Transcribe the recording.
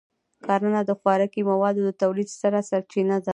کرنه د خوراکي موادو د تولید ستره سرچینه ده.